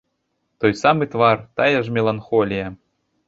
Той самы твар, тая ж меланхолія.